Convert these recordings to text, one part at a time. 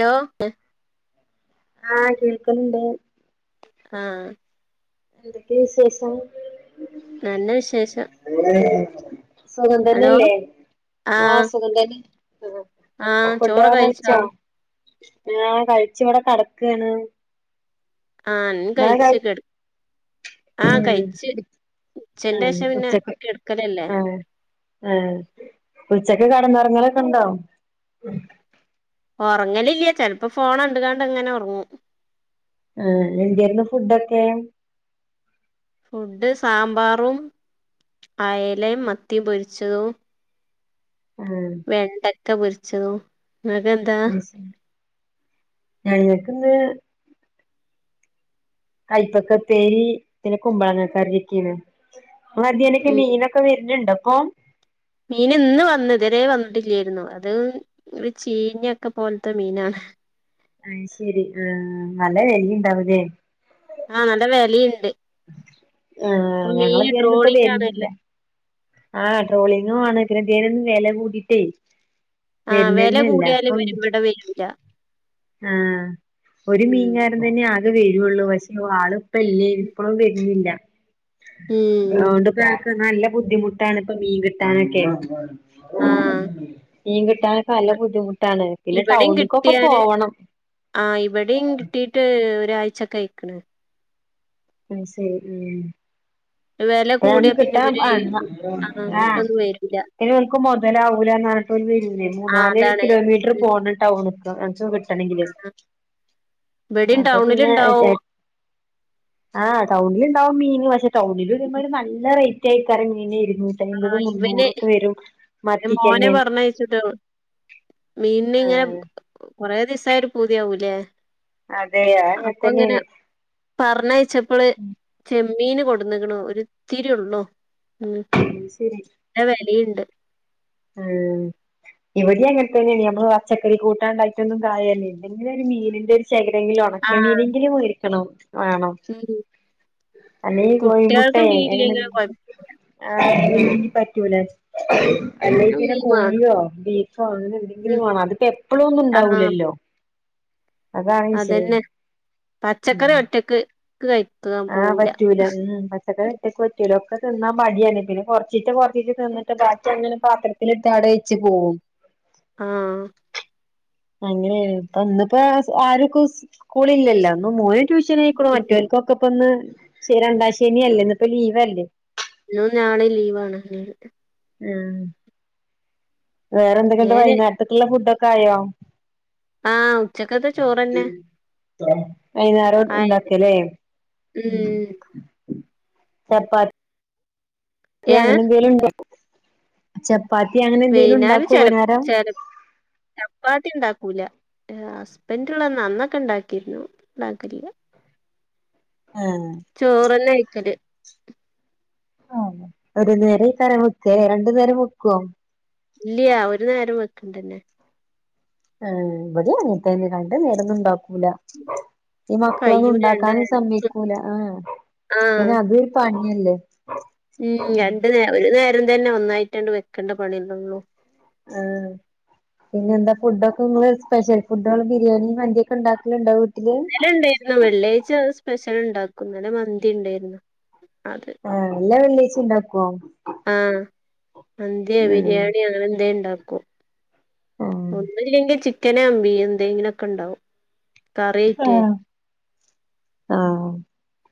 Hello ആഹ് കേൾക്കണ് ണ്ട് ആഹ് എന്തൊക്കെ വിശേഷം? നല്ല വിശേഷം സുഖം ഹലോ തന്നെല്ലേ ആഹ് സുഖം തന്നെ ആഹ് ഫുഡൊക്കെ ചോറൊക്കെ കഴിച്ചോ ആഹ് കഴിച്ചു ഇവടെ കെടക്കാണ് ആഹ് ഇങ്ങള് കഴിച്ച് കഴി കെട് ആഹ് ഉം കഴിച്ച് ഉച്ചന്റെ ആഹ് ശേഷം പിന്നെ കെടക്കലല്ലേ ഏഹ് ഉച്ചക്ക് കടന്നൊറങ്ങലൊക്കെ ഉണ്ടോ ഒറങ്ങലില്ല ചിലപ്പോ ഫോണ് കണ്ട്ങ്ങാണ്ട് അങ്ങനെ ഒറങ്ങും ആഹ് എന്തായിരുന്നു ഫുഡൊക്കെ? ഫുഡ് സാമ്പാറും, അയലയും മത്തി പൊരിച്ചതും ആഹ് വെണ്ടക്ക പൊരിച്ചതും ഇങ്ങക്കെന്താ? അഹ് ശെരി ഞങ്ങക്കിന്ന് കയ്പ്പക്ക ഉപ്പേരി പിന്നെ കുമ്പളങ്ങ കറി ഒക്കേനു [unintelligible] ഉം മീനൊ ക്കെ വര്ന്ണ്ടൊപ്പൊ മീന് ഇന്ന് വന്ന് ഇത് വരെ വന്നിട്ടില്ലായിരുന്നു അത് ഒരു ചീഞ്ഞൊക്കെ പോലത്തെ മീനാണ് അഹ് ശരി ആഹ് നല്ല വെലയുണ്ടാവുലേ ആഹ് നല്ല വെലീണ്ട് ആഹ് ഞങ്ങളെ [unintelligible] ഇപ്പ ട്രോളിംഗ് വരുന്നില്ല ആണല്ലോ ആ ട്രോളിങ്ങും ആണ് ഇതിനു വില കൂടിട്ടേ ആഹ് വെല വരുന്നന്ന ഇല്ല കൂടിയാല് അപ്പം [unintelligible] ആഹ ഒരു ഉം മീൻകാരൻ തന്നെ ആകെ വരുള്ളൂ പക്ഷേ ആള് ല്ലേ ഉം ഇപ്പഴും വരുന്നില്ല അതൊണ്ട് നല്ല ബുദ്ധിമുട്ടാണ് ഇപ്പ മീൻ കിട്ടാനൊക്കെ ആഹ് മീൻ കിട്ടാനൊക്കെ നല്ല ബുദ്ധിമുട്ടാണ് പിന്നെ ടൗണിക്കൊക്കെ പോവണം ആഹ ഇവിടെയും കിട്ടീട്ട് ഒരാഴ്ചക്കെ കയിക്കണ് ആ ശരി ഉം വെല ന്ന് കൂടിയാ പിന്നെ കിട്ടാൻ ഇവര് ആ ആഹ് ആഹ ഇങ്ങട്ടൊന്നും വരൂല ഇത് ഇവർക്ക് മുതലാവൂ എന്ന പറഞ്ഞട്ട് ഒരു ആഹ് മൂന്നാല് അതാണ് കിലോമീറ്റർ പോക ടൗണക്ക് കിട്ടണെങ്കില് ഇവിടിം അപ്പൊ പിന്നെ ടൗണില്ണ്ടാവും ആഹ് ടൗണിൽ ഉണ്ടാവും മീൻ പക്ഷെ ടൗണിൽ വരുമ്പോ ഒരു നല്ല റേറ്റ് ആയിക്കറ മീൻായിരുന്നു ആഹ ഇവന് മോനെ മത്തിക്കന്നെ പറഞ്ഞയച്ചിട്ടോ മീൻ ഇങ്ങനെ ആഹ് കൊറെ ദിവസ ആകുമ്പോ ഒരു പൂതിയാവൂലേ അതെ അത് അങ്ങനെ തന്നെയാണ് പറഞ്ഞയച്ചപ്പോള് ചെമ്മീന് കൊടുന്നക്കണോ ഒരിത്തിരിയ ഉള്ളോ ഉ ഉം മനസ്സിലായി നല്ല വിലയുണ്ട് ആഹ ഇവിടെ അങ്ങനെ തന്നെയാണ് നമ്മള് പച്ചക്കറി കൂട്ടാണ്ടായിട്ടൊന്നും കാര്യല്ല ഏതെങ്കിലും ഒരു മീനിന്റെ [unintelligible] ങ്കിലും ഉണക്ക ആഹ് മീനെങ്കിലും മേടിക്കണം വേണോ [unintelligible] അല്ലീ കോയി കുട്ട്യാൾക്ക് മുട്ടയ മീനില്ലെങ്കിലും അ കൊഴപ്പല്ല അല്ലെങ്കിൽ പറ്റൂല അ അല്ലെങ്കിൽ പിന്നെ മീൻ വാണം കോഴിയോ ബീഫോ അങ്ങനെ ഉം എന്തെങ്കിലും വേണം അതിപ്പോ എപ്പഴോ ഒന്നും ആഹ് ഉണ്ടാവൂല്ലല്ലോ അതാണ് വിഷയം അതന്നെ പച്ചക്കറി ഒറ്റക്ക് [unintelligible] ആഹ് പറ്റൂല ഉം പച്ചക്ക കൊറ്റയില ഒക്കെ തിന്നാൻ മടിയാണ് പിന്നെ കുറച്ചിട്ട് കുറച്ചിട്ട് തിന്നിട്ട് ബാക്കി അങ്ങനെ പാത്രത്തി എടുത്ത് അവിടെ വെച്ച് പോകവും ആഹ അങ്ങനെയ ഇപ്പ ഇന്നിപ്പോ ആരക്കും സ്കൂള ഇല്ലല്ലോ ഇന്ന് മോന് ട്യൂഷൻ ആയിക്കൂ മറ്റർക്കൊ ഇപ്പൊ ഒന്ന് ശ രണ്ടാ ശനി അല്ലേ ഇന്ന ഇപ്പ ലീവ്ല്ലേ ഇന്നും നാളെ ലീവാണ് ഉം വേറെ എന്തെക്കെയൊണ്ട് ഞാന് വൈനേരത്ത്ക്ക്ള്ള ഫുഡൊക്കായോ? ആഹ് ഉച്ചക്കത്തെ ചോറന്നെ ഉം ആ ആഹ് വൈന്നേരംണ്ടാക്കലേ ഉം ചപ്പാ ത്തി ഏഹ് അങ്ങനെന്തെലും ണ്ടാക്കും ചപ്പാത്തി അങ്ങ വൈന്നേരം ചെല ചെല ചപ്പാത്തിണ്ടാക്കൂല അഹ് ഹസ്ബന്റ്ള്ളന്ന് അന്നൊക്കെ ണ്ടാക്കിര്ന്നു ണ്ടാക്കലില്ല. ഏ ചോറ്ന്നെ കയ്ക്കല് ആഹ് ഒര് നേരം അയ്ക്കാരം വെക്കലേ രണ്ട് നേരം വെക്ക്വോ? ഇല്ല്യ ഒര് നേരം വെക്ക്ണ്ടന്നെ ഉം ഇവ്ടെ അങ്ങൻതെന്നെ രണ്ട് നേരൊന്നുണ്ടാക്കൂല. ഈ മക്കളൊന്നു കയ്യൂല രണ്ട് ണ്ടാക്കാനും നേരം സമ്മയ്ക്കൂല ആഹ് ആഹ് പിന്നത് പണിയല്ലേ ഉം രണ്ട് നേ ഒര് നേരം തെന്നെ ഒന്നായിട്ടണ്ട് വെക്കേണ്ട പണ്യല്ലെള്ളൂ ആഹ് പിന്നെന്താ ഫുഡൊക്കെ ങ്ങള് സ്പെഷ്യൽ ഫുഡാള് ബിരിയാണിം മന്ത്യക്കെ ണ്ടാക്കല്ണ്ടോ വ് ഇന്നലെ ണ്ടേയിര്ന്നു വെള്ളിയാഴ്ച സ്പെഷ്യല് ണ്ടാക്കും ഇന്നലെ മന്തി ണ്ടേര്ന്നു. അത് ആഹ് എല്ലാ വെള്ളിയാഴ്ച്ചി ണ്ടാക്കോ? ആഹ് മന്ത്യാ ബിരിയാണ്യോ അങ്ങനെന്തെണ്ടാക്കും. ആഹ് ഒന്നുല്ലെങ്കി ചിക്കനാ ബീ എന്തെങ്കിലൊക്കെണ്ടാവും. ഉം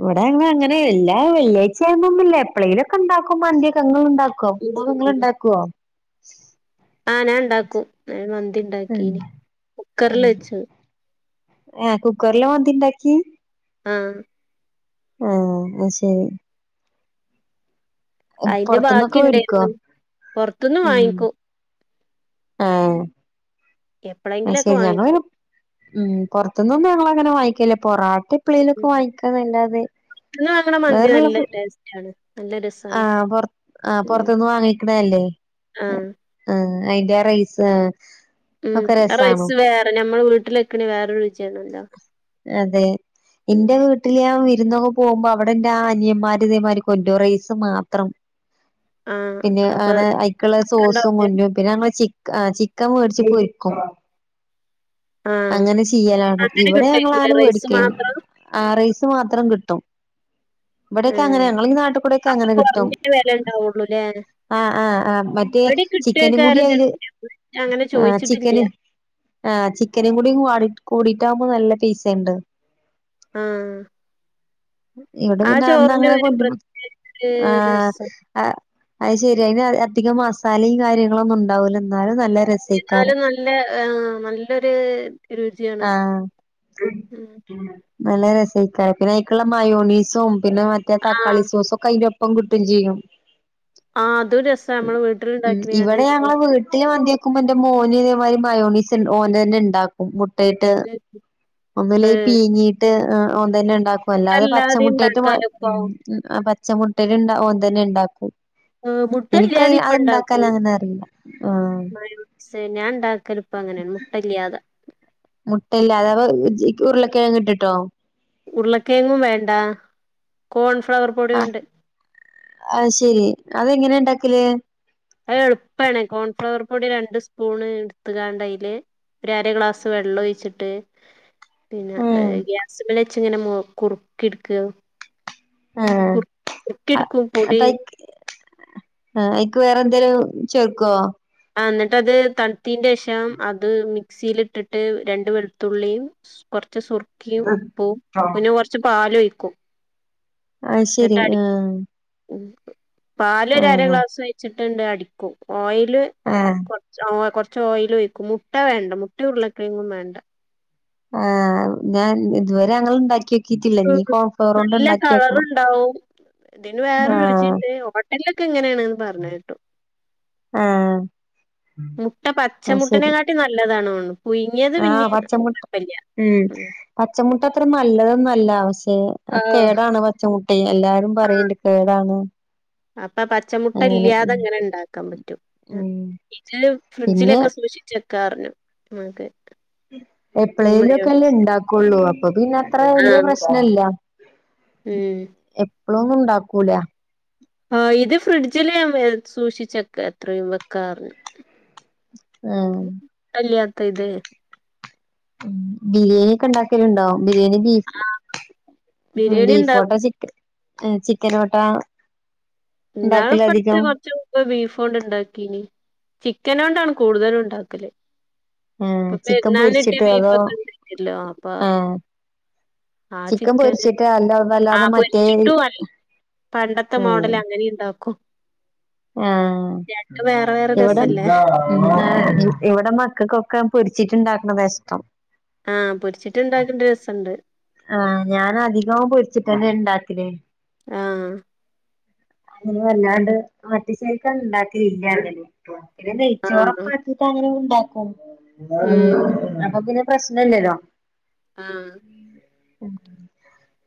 ഇവ്ടെ അങ്ങ അങ്ങനെ എല്ലാ വെള്ളിയാഴ്ച്ചയാനൊന്നുല്ല എപ്പളേലൊക്കെണ്ടാക്കും മന്ത്യക്കെ ങ്ങള് ണ്ടാ ക്കൊം [unintelligible] ഉം. ഇങ്ങള്ണ്ടാക്കോ? ആഹ് ഞാ ണ്ടാക്കും ഞാൻ മന്തി ണ്ടാക്കീനി കുക്കറില് ആഹ് വെച്ചു. ഏഹ് കുക്കറിലാ മന്തിണ്ടാക്കി? ആഹ് ഏഹ് അത് ശെരി. അയിന്റെ പൊറത്ത്ന്നൊക്കെ വേടിക്കോ ബാക്കിണ്ടേര്ന്നു പൊർത്ത്ന്ന് ഉം വാങ്ങിക്കും. ആഹ് അത് എപ്പളെങ്കിലൊക്കെ ശെരി ഞങ്ങള് വാങ്ങിക്കും പിന്നെ ഉം പൊർത്ത്ന്നൊന്നും ഞങ്ങളങ്ങനെ വാങ്ങിക്കേല്ല പൊറാട്ടെ എപ്പളേലൊക്കെ ഉം. വാങ്ങിക്കാന്നല്ലാതെ പുറത്തുന്ന് വാങ്ങണ മന്തി വേറെള്ള നല്ല ഫു [unintelligible] രസാണ് ആഹ് പൊർ ആഹ് ഉം പൊർത്ത്ന്ന് വാങ്ങിക്കണല്ലേ ആഹ് ഉം അയിന്റെ ആ റൈസും ഉം ആ റൈസ് വേറെ ഞമ്മള് വീട്ടിലെക്കണേ വേറെരു രുചിയാണല്ലോ അതെ ഉം ഇന്റെ വ് ട്ട്ല് ഞാൻ വിര്ന്നൊക്കെ പോവുമ്പോ അവ്ടെ ഇന്റെ അനിയമാര് ഇതേമാരി കൊണ്ട്രും റൈസ് മാത്രം. ആഹ് പിന്നെ അപ്പൊ അങ്ങനെ അയ്ക്ക്ള്ള സോസും ഇണ്ടാവൂല കൊണ്ട്രും പിന്നെ അമ്മള് ചിക്കാ ആഹ് ചിക്കൻ വേടിച്ച് ങ്ങണ്ട് വെക്കും. ആഹ് അങ്ങനെ ചെയ്യ്ലാണ് അങ്ങനെ ഇവടെ ഞങ്ങള് കിട്ടേക്കൂലേ അങ്ങനെ റൈസ് വേടിക്കയ്യല് മാത്രം ആഹ് റൈസ് മാത്രം കിട്ടും. ഇബടെക്കങ്ങനെ ഏഹ് അപ്പൊ ഞങ്ങളീനാട്ടികൂടെക്കങ്ങനെ കിട്ടും. കൊറഞ്ഞ വെല ഇണ്ടാവൊള്ളൂല്ലേ ആഹ് ആഹ് ആഹ് മറ്റേ ഇവടിം ചിക്കനും കിട്ടേക്കാരം കൂട്യയ്ല് ചെലപ്പോ ഞാൻ അങ്ങനെ ആഹ് ചോയിച്ചിട്ടില്ല ചിക്കന് ആഹ് ചിക്കനും കൂടെ ക്വാടി കൂടിട്ടാവ്മ്പോ നല്ല പൈസണ്ട്. ആഹ് ഇവ്ടെ ആ പിന്നെ അന്ന് ചോറിന് അങ്ങനെ ഒരു കൊണ്ട്രും പ്രത്യേക ഒരു ആഹ് രസം ആഹ് അത് ശെര്യാ അയിന് അധികം മസാലിം കാര്യങ്ങളൊന്നുണ്ടാവൂല ന്നാലും നല്ല രസേ എന്നാലും നല്ല ഏഹ് നല്ലൊര് ആഹ് ഉം ഉം നല്ല രസേക്കാരം പിന്നെ അയ്ക്ക്ള്ള മയോണീസും പിന്നെ മറ്റേ തക്കാളി ആഹ് സോസൊക്കയ്ലൊ പ്പം കിട്ടും ചെയ്യും. ആഹ് അതും രസാ നമ്മള് ഉം വീട്ടില്ണ്ടാക്കിയാണ്ട് ഇവടെ ഞങ്ങളെ വീട്ടില് മന്ത്യ ക്കുമ്പെൻ്റെ മോന് ഇതേ മാതിരി മയോണീസ് ഓനെന്നെ ണ്ടാക്കും മു ട്ടയിട്ട് ഒന്നുലേയ് ഏഹ് പീങ്ങിട്ട് ഒ ഓൻ തെന്നെണ്ടാ ഒല്ലാതെ മുട്ടല്ലാതിം പച്ചമുട്ടയിട്ട് മ ഇണ്ടാക്കാലോ ഇപ്പൊ ഉം അഹ് പച്ചമുട്ടേല്ണ്ട ഒൻ തെന്നെ ണ്ടാക്കും. ഏഹ് മുട്ടല്ലാതിം ഇനിക്കഹ് ഇപ്പ ഇണ്ടാക്കും അത്ണ്ടാക്കനങ്ങനറീല ആഹ് ക്ഷെ ഞാൻ ണ്ടാക്കല് പ്പങ്ങനേണ് മുട്ടല്ല്യാതെ മുട്ടല്ലാതെ അപ്പൊ ജി ഉർളക്കെഴങ്ങ്ട്ടിട്ടോ ഉർളക്കേങ്ങും വേണ്ട. കോൺഫ്ലവർ പൊട്യോണ്ട് അഹ് ശെരി അതെങ്ങനെ ണ്ടാക്കല് അത് എളുപ്പണ, കോൺഫ്ലവർ പൊടി രണ്ട് സ്പൂണ് ഇട്ത്ത്‌കാണ്ടയ്ല് ഒരരഗ്ലാസ് വെള്ളൊഴിച്ചിട്ട് പിന്ന ആഹ് ഇഹ് ഗ്യാസ്മ്മലെച്ച്ങ്ങനെ മു കുറുക്കിട്ക്കാ ഏഹ് അ പൊടി തയ് ഏ അയ്ക്ക് വേറെന്തേലും ചേർക്കോ ആന്നട്ടത് തൺത്തീന്റേഷം അത് മിക്സീലിട്ടിട്ട് രണ്ട് വെൾത്തുള്ളിയും കൊർച്ച് സുർക്കിയും ഉപ്പും പിന്നെ കൊർച്ച് പാലൊഴിക്കും അയ്ശരി ആഹ് ഉം പാലൊരര ആഹ് ഗ്ലാസൊഴിച്ചിട്ട്ണ്ട് അടിക്കും ഓയില് ആഹ് കൊർച് ഓ കൊർച്ച് ഓയിലൊഴിക്കും. മുട്ട വേണ്ട, മുട്ട്യും ഉർളക്കെയ്ങ്ങും വേണ്ട ആഹ് ഞാൻ ഇതുവരെ അങ്ങള്ണ്ടാക്കി ഉം നല്ല കളറ്ണ്ടാവും, തിന് വേറെ ആഹ് രുചിണ്ട് ഹോ ട്ടൽല്ലൊക്കെങ്ങനേണ്ന്ന് പർഞ്ഞേട്ടു ആഹ് മുട്ട അത് പച്ചമുട്ടനെ ശെരി കാട്ടി നല്ലതാണ്ഓൺണ്. പുയ്ങ്ങിയത് പിന്നിം കൊയ്പ്പല്യ ഉം പച്ചമുട്ടത്ര നല്ലതൊന്നുഅല്ല പക്ഷേ അത് ആഹ് കേടാണ് പച്ചമു ട്ടി എല്ലാരും പറിയിണ്ട് കേടാന്ന് അപ്പ പച്ചമുട്ടല്ല്യാതെങ്ങനെ ണ്ടാക്കാൻ പറ്റും. ഉം ഇത് പിന്നെ ഫ്രിഡ്ജിലൊക്കെ സൂക്ഷി ച്ചെക്കാർഞ്ഞു. അതെ എപ്പളേലുഒക്കല്ലേ ണ്ടാക്കൊള്ളൂ. അപ്പ പിന്നെത്രെ വെല്യ ആഹ് പ്രശ്നല്ല ഉം എപ്പളും ഒന്നുണ്ടാക്കൂല ആഹ് ഇത് ഫ്രിഡ്ജില് എ സൂക്ഷിച്ചക്ക എത്രയും വെക്കാർഞ് ആഹ് അല്ല്യാത്തത് ഉം ബിര്യേനിയൊക്കെണ്ടാക്കല് ണ്ടോ. ബിരിയാണി ബീഫ് ആഹ് ബിരിയാണി ഇണ്ടാ ബീഫോണ്ട ചി ചിക്കനോട്ടാ ന്നാളെപ്പട്ത്ത്‌ കൊർച്ച് പ്പ ബീഫോണ്ട്ണ്ടാക്കീനി. ചിക്കനോണ്ടാണ് കൂടുതലുണ്ടാക്കല് ആഹ് പ്പൊ ചിക്കൻ പെര്ന്നാളിനിട്ട്യ പൊരിച്ചിട്ടോ അതോ ബഫൊക്കെണ്ടേന്യല്ലോ അപ്പ ആഹ് ആ ചിക്കൻ ചിക്കന് പൊരിച്ചിട്ട് അല്ല ആ അതല്ലാതെ മറ്റേ പൊരിച്ചിട്ടു അൽ പണ്ടത്തെ ആഹ് മോഡല ങ്ങനിണ്ടാക്കും. ആഹ് വേറെ വേറെ ഇവടെ രസല്ലേ ഇവടെ മക്കക്കൊക്കെ പൊരിച്ചിട്ട്ണ്ടാക്ക്ണത ഇഷ്ടം ആഹ് പൊരിച്ചിട്ട്ണ്ടാക്ക്ൺത് രസണ്ട് ആഹ് ഞാനധികവും പൊരിച്ചിട്ടന്നെണ്ടാക്കല് ആഹ് അങ്ങനെ വല്ലാണ്ട് മറ്റെ ശേൽക്കണ്ട്ണ്ടാക്കലില്ല്യ അങ്ങനെപ്പൊ പിന്നെ നെയ് ആഹ് ചോറൊക്കാക്കിട്ടങ്ങനെണ്ട് ണ്ടാക്കും. ഉം അപ്പ പിന്നെ പ്രശ്നല്ലല്ലോ ആഹ്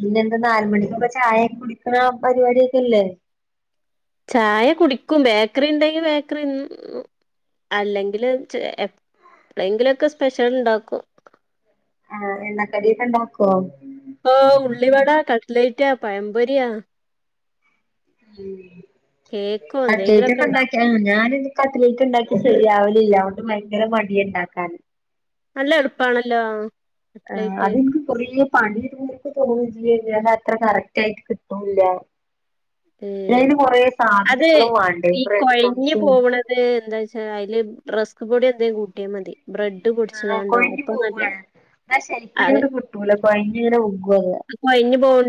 പിന്നെന്താ നാല് മണിക്ക് ഇപ്പ ചായയൊക്കെ കുടിക്കണ പരിപാടിയൊക്കെയില്ലേ? ചായ കുടിക്കും, ബേക്കറി ഉണ്ടെങ്കി ബേക്കറി അല്ലെങ്കില് ച് എപ്പളേങ്കിലൊക്കെ സ്പെഷ്യൽ ഉണ്ടാക്കും. ആഹ്. എണ്ണക്കടിയൊക്കെ ഉണ്ടാക്കുവോ? ഓഹ് ഉള്ളിവട, കട്ലറ്റാ, പഴം പൊരിയാ മം കേക്കോ എന്തെങ്കിലൊക്കെ കട്ലൈറ്റൊക്കെ ഉണ്ടാക്കി ആഹ് ഞാനീ കട്ലറ്റ് ഉണ്ടാക്കിയാല് ശരിയാവലില്ല. അതൊണ്ട് ഭയങ്കര മടിയാണ് ഉണ്ടാക്കാൻ. നല്ല എളുപ്പാണല്ലോ? ആഹ് കട്ട്ലൈറ്റ് അത് ഇന്ക്കും കൊറേ പണി [unintelligible] തോന്നില്ലാ അത്ര കറക്റ്റ് ആയിട്ട് കിട്ടൂല്ല അതിന് കൊറേ അത് സാധനങ്ങളും വേണ്ടേ ബ്രഡ് ക്രമ്ബ്സും അതിന് എന്താച്ചാ അതില് റസ്ക് പൊടി എന്തേ കൂട്ടിയാ മതി. ബ്രഡ് ആഹ് കൊഴിഞ്ഞ് പോവുവേ ആ ശരിക്കും അത് അങ്ങട് കിട്ടൂല. കൊഴിഞ്ഞ് ങ്ങനെ വികും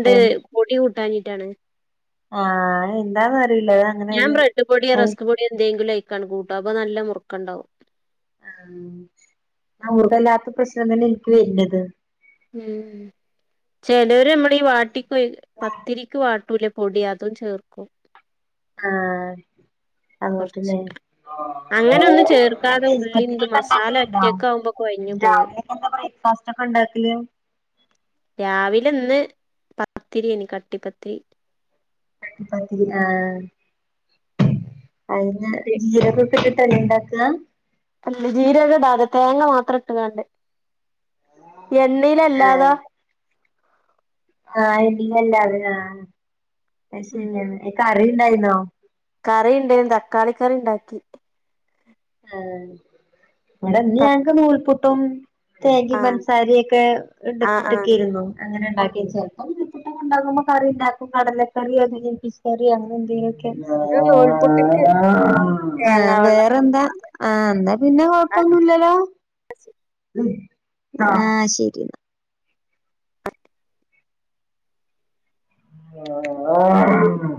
അത് അത് ഏഹ് പൊടി കൂട്ടാഞ്ഞിട്ടാണ്. ആ എന്താന്ന് അറിയില്ല. അങ്ങനെ ഞാൻ ഒരു ബ്രഡ് പൊടിയോ റസ്ക് പൊടിയോ എന്തേങ്കിലും ആയ്ക്കാണ് കൂട്ടുക. അപ്പൊ നല്ല മുറുക്കണ്ടാവും. ആം. ആ മുറുക്കല്ലാത്ത പ്രശ്നം തന്നെ എനിക്ക് വരണത് ഉം ചെലര് മ്മടെ ഈ വാട്ടിക്ക്യ കൊയ് പത്തിരിക്ക് വാട്ടൂല്ലേ പൊടി, അതും ചേർക്കും ആഹ് അങ്ങോട്ട് കൊറച്ച് ലെ ആഹ്, അങ്ങനെ ഒന്നും ആ ചേർക്കാതെ നൈസ് ഉള്ളി പത്തിരി ഇത് മസാല ഉണ്ടാക്കല്ണ്ടോ? ഒറ്റക്കാവുമ്പോ കൊഴഞ്ഞു പോവും രാവിലെ എന്താപ്പ ബ്രേക്ക്ഫാസ്റ്റ് ഒക്കെ ഉണ്ടാക്കല്? രാവിലെ ഇന്ന് പത്തിരിയാര്ന്ന്, കട്ടിപ്പത്തിരി. കട്ടിപത്തിരി ആഹ് അയിഞ്ഞ ജീരകം ഇട്ട്ട്ടല്ലോ ഇണ്ടാക്കാ അല്ല, ജീരകം ഇടാതെ തേങ്ങ മാത്രം ഇട്ടുകണ്ട്, എണ്ണയിലല്ലാത ആ എണ്ണയില്ലാതെ. അത് ശെരിയാണ് കറിണ്ടായിരുന്നോ? കറിണ്ടാരുന്നു. തക്കാളി കറി ഉണ്ടാക്കി. ആ, ഇവിടെ ഇന്നു ത ഞങ്ങക്ക് നൂൽപുട്ടും തേങ്ങയും ആഹ് പഞ്ചസാരയൊക്കെ ഇട്ടിട്ട് ആഹ് ഇരുന്ന് ആഹ് തിരുമ്മും. അങ്ങനെ ഉണ്ടാക്കിയാല്, ചെലപ്പം പുട്ടൊക്കെ ഉണ്ടാക്കുമ്പോ കറി ഉണ്ടാക്കും. കടലക്കറി അല്ലെ ഗ്രീൻപീസ് കറി അങ്ങനെ എന്തെങ്കിലും ഒരു നൂൽപുട്ട്ക്ക് ആ തേങ്ങാ വെള്ളം വേറെന്താ? ആ എന്നാ പിന്നെ കൊഴപ്പൊന്നൂല്ലാലോ? ആഹ് ശരിന്നാ എന്നാ